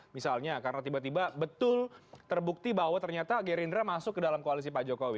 misalnya karena tiba tiba betul terbukti bahwa ternyata gerindra masuk ke dalam koalisi pak jokowi